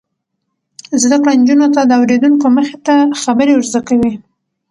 زده کړه نجونو ته د اوریدونکو مخې ته خبرې ور زده کوي.